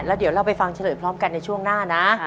แล้วเดี๋ยวไปจะเฉลยช่วงหน้านะ